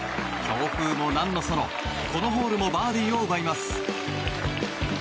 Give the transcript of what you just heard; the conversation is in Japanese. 強風も何のその、このホールもバーディーを奪います。